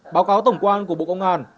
báo cáo tổng quan của bộ công an